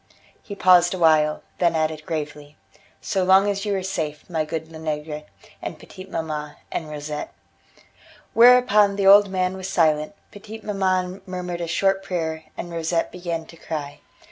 He paused awhile, then added gravely: "So long as you are safe, my good Lenegre, and petite maman, and Rosette." Whereupon the old man was silent, petite maman murmured a short prayer, and Rosette began to cry.